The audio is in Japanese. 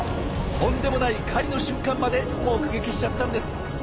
とんでもない狩りの瞬間まで目撃しちゃったんです。